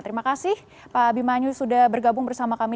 terima kasih pak bimanyu sudah bergabung bersama kami